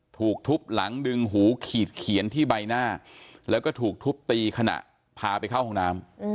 ถูกทุบหลังดึงหูขีดเขียนที่ใบหน้าแล้วก็ถูกทุบตีขณะพาไปเข้าห้องน้ำ